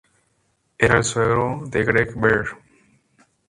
Era el suegro de Greg Bear.